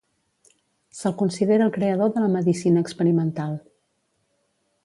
Se'l considera el creador de la medicina experimental.